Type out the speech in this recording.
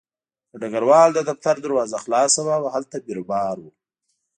د ډګروال د دفتر دروازه خلاصه وه او هلته بیروبار و